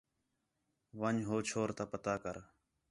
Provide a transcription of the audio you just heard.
ون٘٘ڄ ہو چھور تا پتہ کر